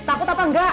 takut apa enggak